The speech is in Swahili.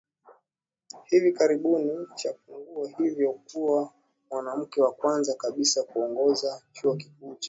hivi karibuni cha Púnguè hivyo kuwa mwanamke wa kwanza kabisa kuongoza chuo kikuu cha